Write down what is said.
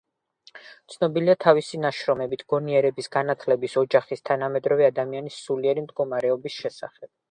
ცნობილია თავისი ნაშრომებით გონიერების, განათლების, ოჯახის, თანამედროვე ადამიანის სულიერი მდგომარეობის შესახებ.